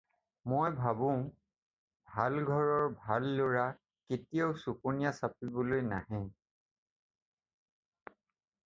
মই ভাবিছোঁ, ভাল ঘৰৰ ভাল ল'ৰা কেতিয়াও চপনীয়া চাপিবলৈ নাহে।